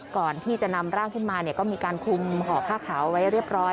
ก่อนที่จะนำร่างขึ้นมาก็มีการคุมห่อผ้าขาวไว้เรียบร้อย